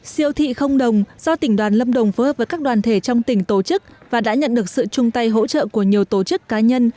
siêu thị không đồng do tỉnh đoàn lâm đồng phối hợp với các đoàn thể trong tỉnh tổ chức và đã nhận được sự chung tay hỗ trợ của nhiều tổ chức cá nhân